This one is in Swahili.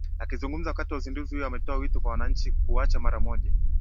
Akizungumza wakati wa uzinduzi huo ametoa wito kwa wananchi kuacha mara moja